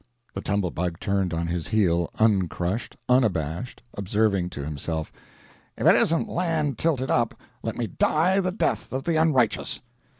The Tumble Bug turned on his heel uncrushed, unabashed, observing to himself, "If it isn't land tilted up, let me die the death of the unrighteous."